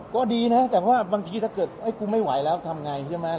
ก็ดีนะแต่ว่าบางทีถ้าเกิดกูไม่ไหวแล้วทำไงใช่ไหม